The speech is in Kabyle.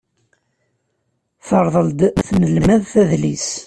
Terḍel-d tnelmadt adlis.